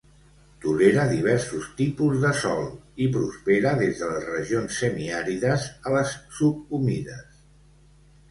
Tolera diversos tipus de sòl i prospera des de les regions semiàrides a les subhumides.